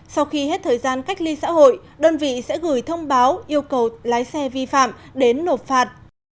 sau khi hết thời gian cách ly xã hội đơn vị sẽ gửi thông báo yêu cầu lái xe vi phạm đến nộp phạt